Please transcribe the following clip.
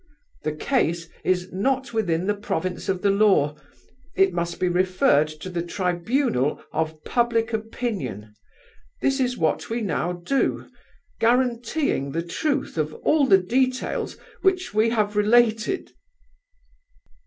The case is not within the province of the law, it must be referred to the tribunal of public opinion; this is what we now do, guaranteeing the truth of all the details which we have related."